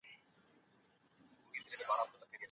که د بادامو ونه په وخت درمل نشي نو مېوه یې پوچه پاتې کیږي.